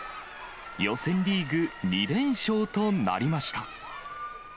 予選リーグ２連勝となりました。